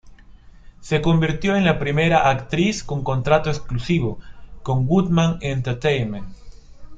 Se convirtió en la primera actriz con contrato exclusivo con Woodman Entertainment.